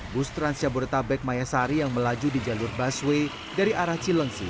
bustrans jabodetabek mayasari yang melaju di jalur baswe dari arah cilengsi